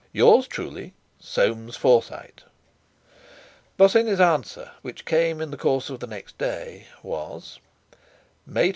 "Yours truly, "SOAMES FORSYTE." Bosinney's answer, which came in the course of the next day, was: "May 20.